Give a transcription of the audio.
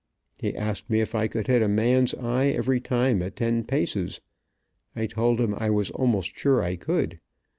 He asked me if I could hit a man's eye every time at ten paces. I told him I was almost sure I could.